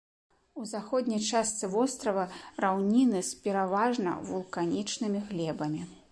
У заходняй частцы вострава раўніны з пераважна вулканічнымі глебамі.